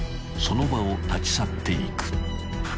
その場を立ち去っていく］